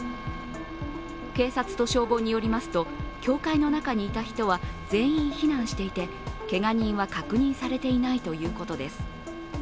警察と消防によりますと教会の中にいた人は全員避難していてけが人は確認されていないということです。